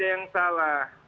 ini nya enggak ada yang salah